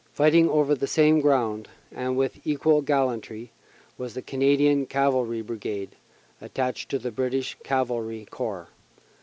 Fighting over the same ground, and with equal gallantry, was the Canadian Cavalry Brigade, attached to the British Cavalry Corps.